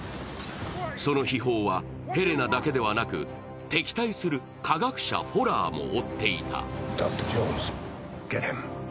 その秘宝は、ヘレナだけではなく、敵対する科学者・フォラーも追っていた。